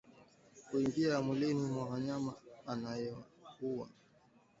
huingia mwilini mwa mnyama anayeumwa